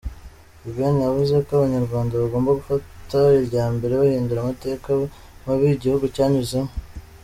The Ben yavuze ko Abanyarwanda bagomba gufata iya mbere bahindura amateka mabi igihugu cyanyuzemo.